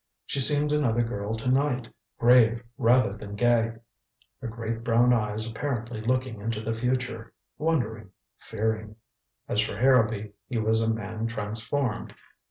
She seemed another girl to night, grave rather than gay, her great brown eyes apparently looking into the future, wondering, fearing. As for Harrowby, he was a man transformed.